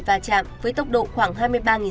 pha chạm với tốc độ khoảng hai mươi ba